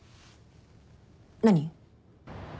何？